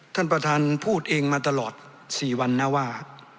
ท่านประธานพูดเองมาตลอด๔วันนะว่า